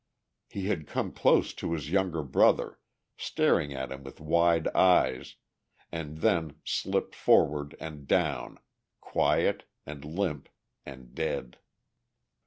He had come close to his younger brother, staring at him with wide eyes, and then slipped forward and down, quiet and limp and dead.